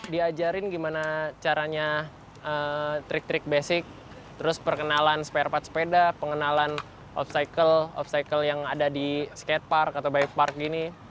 diajarin gimana caranya trik trik basic terus perkenalan sepeda pengenalan off cycle off cycle yang ada di skatepark atau bikepark gini